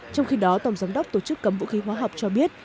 trong khi đó tổng giám đốc tổ chức cấm vũ khí hóa học cho biết